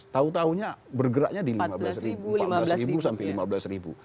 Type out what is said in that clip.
tahun tahunya bergeraknya di empat belas lima belas sampai lima belas